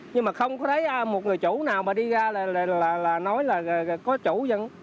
nhưng mà không có thấy một người chủ nào mà đi ra là nói là có chủ dân